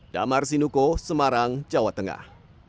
damar sinuko semarang jawa tengah